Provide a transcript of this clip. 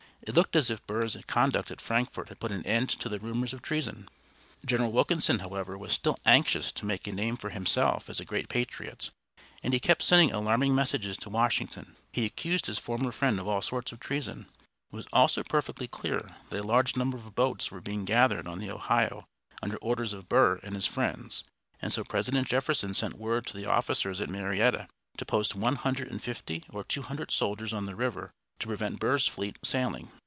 It looked as if Burr's conduct at Frankfort had put an end to the rumors of treason. General Wilkinson, however, was still anxious to make a name for himself as a great patriot, and he kept sending alarming messages to Washington. He accused his former friend of all sorts of treason. It was also perfectly clear that a large number of boats were being gathered on the Ohio under orders of Burr and his friends, and so President Jefferson sent word to the officers at Marietta to post one hundred and fifty or two hundred soldiers on the river to prevent Burr's fleet sailing.